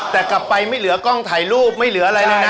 แต่กลับไปไม่เหลือกล้องถ่ายรูปไม่เหลืออะไรเลยนะ